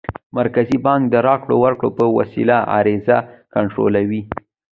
مرکزي بانک د راکړو ورکړو په وسیله عرضه کنټرولوي.